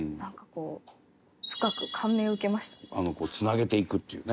繋げていくっていうね。